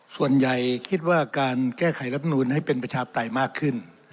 ส่วนใหญ่คิดว่าการแก้ไขรับนูลให้เป็นประชาปไตยมากขึ้น